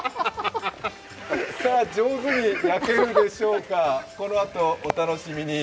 上手に焼けるでしょうか、このあとお楽しみに。